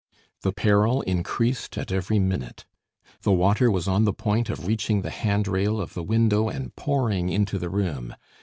The peril increased at every minute. The water was on the point of reaching the handrail of the window and pouring into the room.